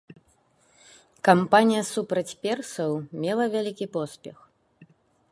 Кампанія супраць персаў мела вялікі поспех.